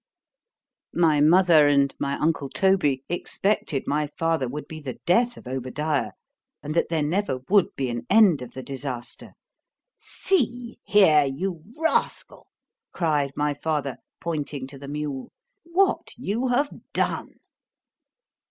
My mother and my uncle Toby expected my father would be the death of Obadiah—and that there never would be an end of the disaster——See here! you rascal, cried my father, pointing to the mule, what you have done!